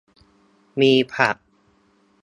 มีผัก